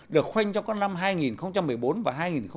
được khoanh trong các năm hai nghìn một mươi bốn và hai nghìn một mươi năm